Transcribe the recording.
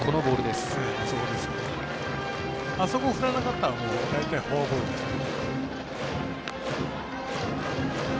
あそこ、振らなかったら大体フォアボールですね。